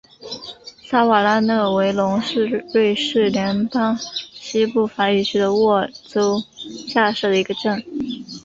沙瓦讷勒维龙是瑞士联邦西部法语区的沃州下设的一个镇。